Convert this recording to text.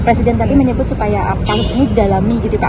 presiden tadi menyebut supaya kalau ini didalami gitu pak